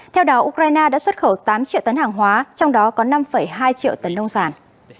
theo đó ukraine đã xuất khẩu tám triệu tấn hàng hóa trong đó có năm hai triệu tấn nông sản